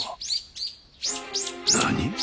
何！？